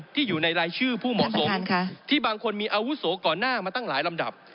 อยู่ในรายชื่อผู้เหมาะสมที่บางคนมีอาวุโสก่อนหน้ามาตั้งหลายลำดับ